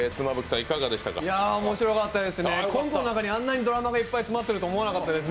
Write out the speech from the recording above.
いや、おもしろかったですね、コントの中にあんなにドラマが詰まってると思わなかったです。